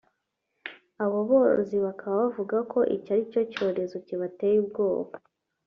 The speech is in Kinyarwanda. Abo borozi bakaba bavuga ko icyo ari icyorezo kibateye ubwoba